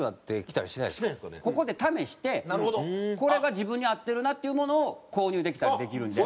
ここで試してこれが自分に合ってるなっていうものを購入できたりできるんで。